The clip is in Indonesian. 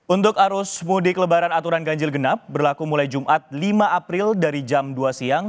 untuk arus mudik lebaran aturan ganjil genap berlaku mulai jumat lima april dari jam dua siang